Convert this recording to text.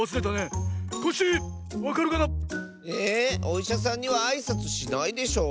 おいしゃさんにはあいさつしないでしょ？